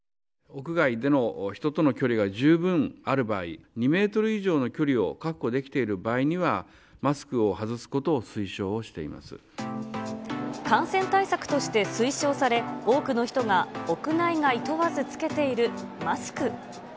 屋外での人との距離が十分ある場合、２メートル以上の距離を確保できている場合には、マスクを外すこ感染対策として推奨され、多くの人が屋内外問わず着けているマスク。